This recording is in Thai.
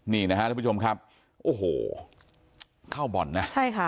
นี่นะครับท่านผู้ชมครับโอ้โหเข้าบ่อนนะ